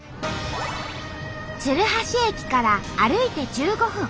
鶴橋駅から歩いて１５分。